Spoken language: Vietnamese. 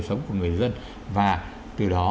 sống của người dân và từ đó